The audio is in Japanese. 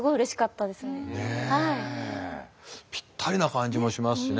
ぴったりな感じもしますしね。